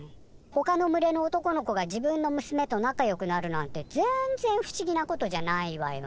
ほかの群れの男の子が自分の娘と仲よくなるなんてぜんぜん不思議なことじゃないわよ。